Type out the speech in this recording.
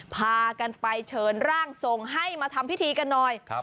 พากันไปเชิญร่างทรงให้มาทำพิธีกันหน่อย